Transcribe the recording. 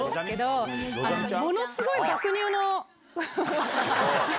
ものすごい爆乳の。